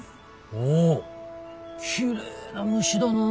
おぉきれいな虫だのう。